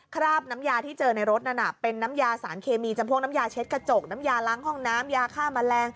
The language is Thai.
คราบน้ำยาที่เจอในรถนั้นเป็นน้ำยาสารเคมีจำพวกน้ำยาเช็ดกระจกน้ำยาล้างห้องน้ำยาฆ่าแมลง